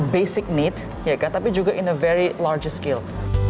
basic need ya kan tapi juga in a very large scale